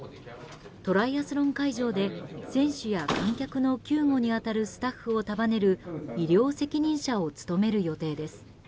トライアスロン会場で選手や観客の救護に当たるスタッフを束ねる医療責任者を務める予定です。